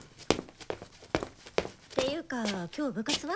ていうか今日部活は？